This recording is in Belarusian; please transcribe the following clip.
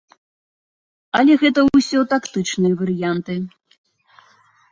Але гэта ўсе тактычныя варыянты.